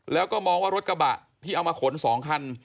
แล้วก็มองว่ารถกระบะที่เอามาขน๒คัน